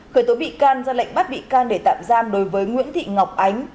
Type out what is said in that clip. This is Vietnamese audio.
khởi tố bị can ra lệnh bắt bị can để tạm giam đối với nguyễn thị ngọc ánh